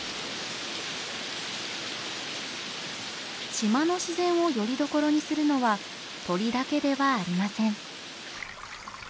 島の自然をよりどころにするのは鳥だけではありません。